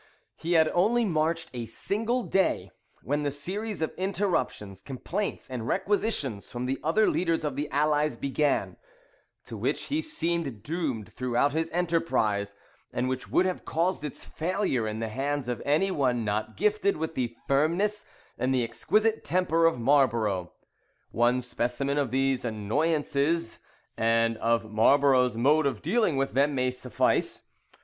] He had only marched a single day, when the series of interruptions, complaints, and requisitions from the other leaders of the Allies began, to which he seemed doomed throughout his enterprise, and which would have caused its failure in the hands of any one not gifted with the firmness and the exquisite temper of Marlborough. One specimen of these annoyances and of Marlborough's mode of dealing with them may suffice.